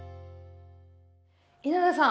稲田さん